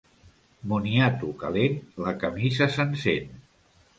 Moniato calent, la camisa se'n sent.